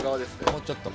もうちょっと？